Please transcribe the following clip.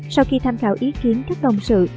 sau khi tham khảo ý kiến các đồng sự